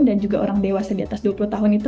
dan juga orang dewasa di atas dua puluh tahun itu